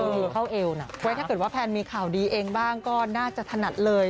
มือเข้าเอวนะไว้ถ้าเกิดว่าแพนมีข่าวดีเองบ้างก็น่าจะถนัดเลย